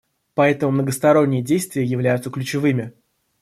Поэтому многосторонние действия являются ключевыми.